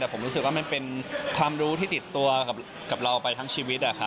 แต่ผมรู้สึกว่ามันเป็นความรู้ที่ติดตัวกับเราไปทั้งชีวิต